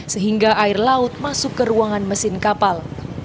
sehingga air laut masuk ke ruangan mesin kapal